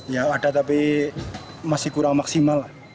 ya ada tapi masih kurang maksimal lah